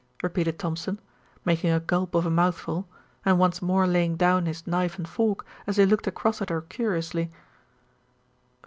repeated Thompson, making a gulp of a mouthful, and once more laying down his knife and fork, as he looked across at her curiously.